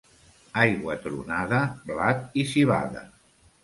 Aigua tronada, blat i civada.